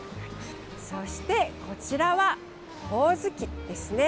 そして、こちらはホオズキですね。